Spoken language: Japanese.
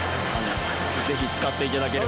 ぜひ使っていただけると。